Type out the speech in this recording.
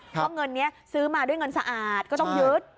เพราะเงินนี้ซื้อมาด้วยเงินสะอาดก็ต้องยึด